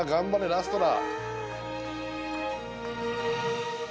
ラストだ。